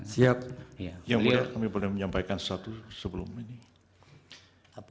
siap yang mulia kami boleh menyampaikan sesuatu sebelum ini